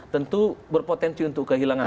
tentu berpotensi untuk kehilangan